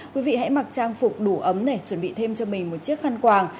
quý vị hãy mặc trang phục đủ ấm để chuẩn bị thêm cho mình một chiếc khăn quàng